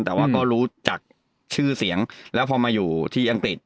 แต่ว่าก็รู้จักชื่อเสียงแล้วพอมาอยู่ที่อังกฤษ